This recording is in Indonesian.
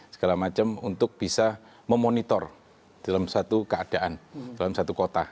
segala macam untuk bisa memonitor dalam satu keadaan dalam satu kota